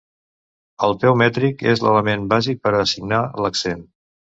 El peu mètric és l'element bàsic per a assignar l'accent.